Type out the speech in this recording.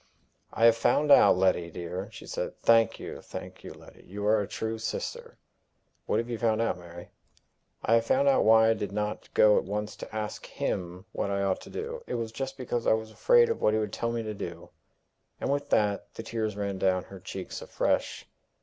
"I have found out, Letty, dear," she said. "Thank you, thank you, Letty! You are a true sister." "What have you found out, Mary?" "I have found out why I did not go at once to ask Him what I ought to do. It was just because I was afraid of what he would tell me to do." And with that the tears ran down her cheeks afresh.